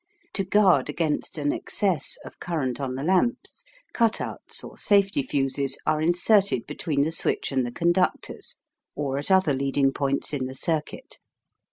To guard against an excess of current on the lamps, "cut outs," or safety fuses, are inserted between the switch and the conductors, or at other leading points in the circuit.